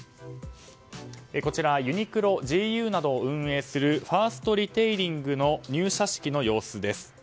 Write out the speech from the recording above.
こちら、ユニクロＧＵなどを運営するファーストリテイリングの入社式の様子です。